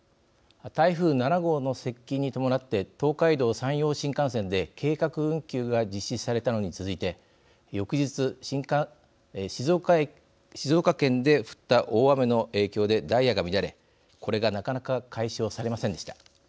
台風７号の接近に伴って東海道・山陽新幹線で計画運休が実施されたのに続いて翌日、静岡県で降った大雨の影響でダイヤが乱れこれがなかなか解消されませんでした。